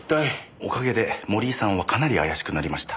おかげで森井さんはかなり怪しくなりました。